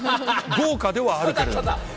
豪華ではあるけれども。